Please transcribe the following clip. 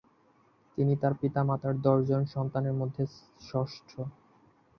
তিনি তার পিতামাতার দশজন সন্তানের মধ্যে ষষ্ঠ।